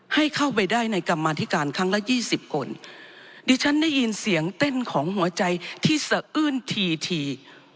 ให้เข้าไปได้ในกรรมาธิการครั้งละยี่สิบคนดิฉันได้ยินเสียงเต้นของหัวใจที่สะอื้นทีที